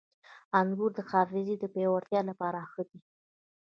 • انګور د حافظې د پیاوړتیا لپاره ښه دي.